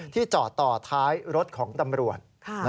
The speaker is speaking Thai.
จอดต่อท้ายรถของตำรวจ